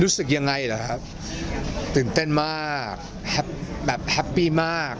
รู้สึกยังไงเหรอครับตื่นเต้นมากแฮปแบบแฮปปี้มาก